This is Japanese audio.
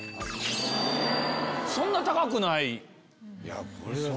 そんな高くない。